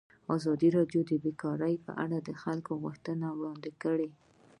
ازادي راډیو د بیکاري لپاره د خلکو غوښتنې وړاندې کړي.